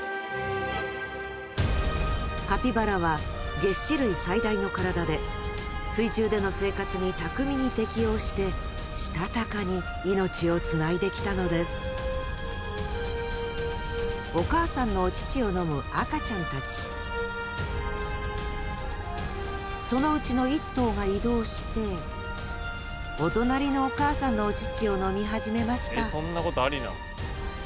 カピバラは齧歯類最大の体で水中での生活にたくみに適応してしたたかに命をつないできたのですお母さんのお乳を飲む赤ちゃんたちそのうちの一頭が移動してお隣のお母さんのお乳を飲み始めました